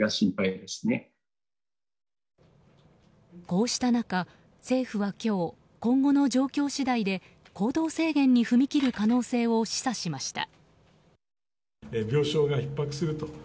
こうした中、政府は今日今後の状況次第で行動制限に踏み切る可能性を示唆しました。